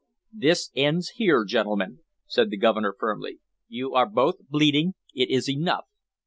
"This ends here, gentlemen," said the Governor firmly. "You are both bleeding. It is enough."